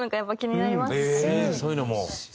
そういうのも？